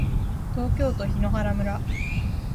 東京都檜原村